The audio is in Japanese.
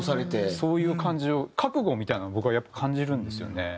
そういう感じを覚悟みたいなものを僕はやっぱ感じるんですよね。